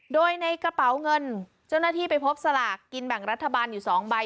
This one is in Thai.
โดยในกระเป๋าเงินเจ้าหน้าที่ไปพบสลากกินแบ่งรัฐบาลอยู่๒ใบ